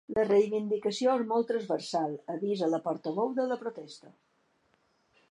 La reivindicació és molt transversal, avisa la portaveu de la protesta.